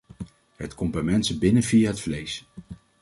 Het komt bij mensen binnen via het vlees.